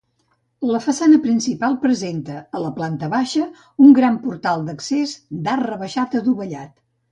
La façana principal presenta, a la planta baixa, un gran portal d'accés d'arc rebaixat adovellat.